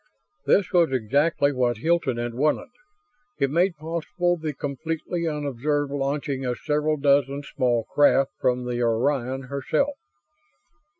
This was exactly what Hilton had wanted. It made possible the completely unobserved launching of several dozen small craft from the Orion herself.